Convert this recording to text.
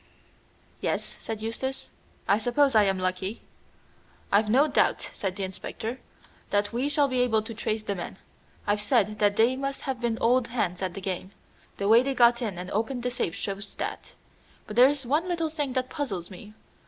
"Yes," said Eustace, "I suppose I am lucky." "I've no doubt," said the inspector, "that we shall be able to trace the men. I've said that they must have been old hands at the game. The way they got in and opened the safe shows that. But there's one little thing that puzzles me.